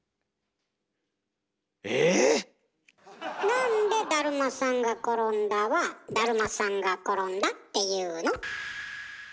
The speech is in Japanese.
なんで「だるまさんがころんだ」は「だるまさんがころんだ」っていうの？